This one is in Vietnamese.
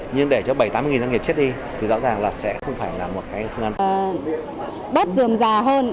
nhưng để cho bảy mươi tám mươi doanh nghiệp chết đi thì rõ ràng sẽ không phải là một phương án